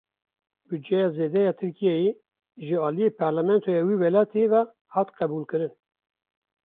Budceya zêde ya Tirkiyeyê ji aliyê parlamentoya wî welatî ve hat qebûlkirin.